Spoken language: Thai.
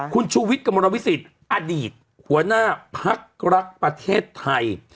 คุณชูวิทย์กระมวลวิสิตอดีตหัวหน้าพักรักประเทศไทย